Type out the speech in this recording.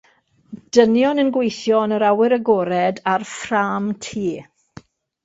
Dynion yn gweithio yn yr awyr agored ar ffrâm tŷ.